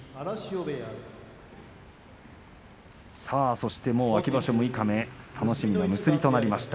そして秋場所六日目楽しみな結びとなりました。